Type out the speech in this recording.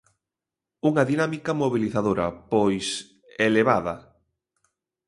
Unha dinámica mobilizadora, pois, elevada.